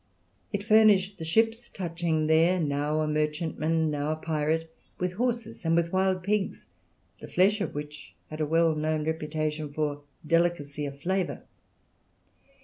It furnished the ships touching there, now a merchantman, now a pirate, with horses and with wild pigs, the flesh of which had a well known reputation for delicacy of flavour.